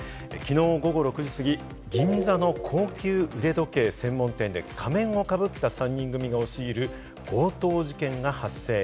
昨日午後６時過ぎ、銀座の高級腕時計専門店で仮面をかぶった３人組が押し入る強盗事件が発生。